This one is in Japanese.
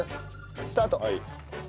スタート。